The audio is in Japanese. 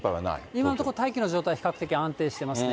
今のところ、大気の状態、比較的安定してますね。